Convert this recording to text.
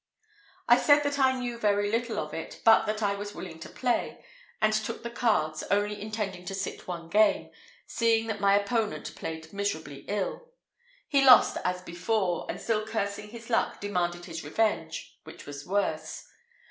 I said that I knew very little of it, but that I was willing to play, and took the cards, only intending to sit one game, seeing that my opponent played miserably ill. He lost as before, and, still cursing his luck, demanded his revenge, which was worse.